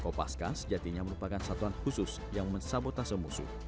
kopaska sejatinya merupakan satuan khusus yang mensabotase musuh